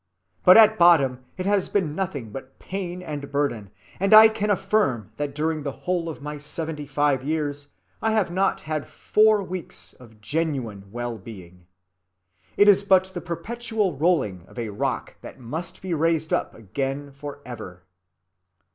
But at bottom it has been nothing but pain and burden, and I can affirm that during the whole of my 75 years, I have not had four weeks of genuine well‐being. It is but the perpetual rolling of a rock that must be raised up again forever."